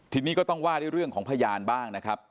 ทีนี้ก็ต้องว่าด้วยเรื่องของพยานบ้างนะครับ